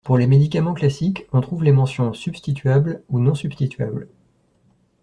Pour les médicaments classiques, on trouve les mentions « substituable » ou « non substituable ».